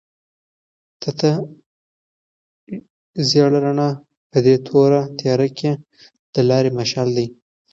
تته زېړه رڼا په دې توره تیاره کې د لارې مشال دی.